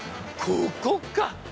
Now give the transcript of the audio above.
ここか！